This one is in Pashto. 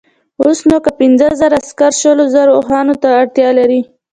اوس نو که پنځه زره عسکر شلو زرو اوښانو ته اړتیا لري.